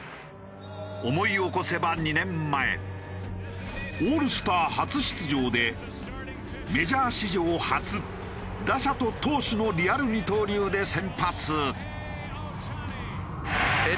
思い起こせば２年前オールスター初出場でメジャー史上初打者と投手のリアル二刀流で先発。